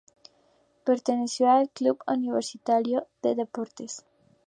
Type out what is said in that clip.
Perteneció al Club Universitario de Deportes.